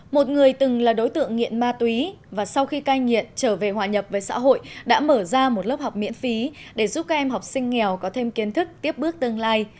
một người từng là đối tượng nghiện ma túy và sau khi cai nghiện trở về hòa nhập với xã hội đã mở ra một lớp học miễn phí để giúp các em học sinh nghèo có thêm kiến thức tiếp bước tương lai